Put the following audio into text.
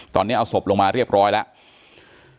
ตอนนี้เอาศพลงมาเรียบร้อยแล้ว